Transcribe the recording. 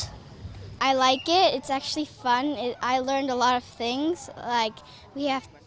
saya suka sebenarnya menyenangkan saya belajar banyak hal